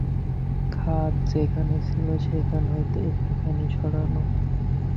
খাট যেখানে ছিল সেখান হইতে একটুখানি সরানো।